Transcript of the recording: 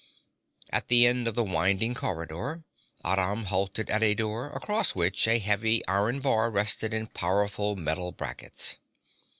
At the end of the winding corridor Aram halted at a door, across which a heavy iron bar rested in powerful metal brackets.